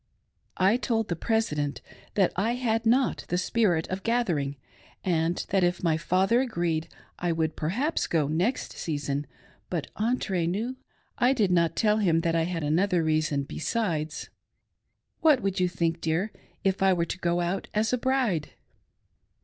I told the President that I had not the " spirit of gathering," and that if my father agreed, I would perhaps go next season; but, entre nous, I did not tell him that I had another reason besides. What would you think, dear, if I were to go out as a bride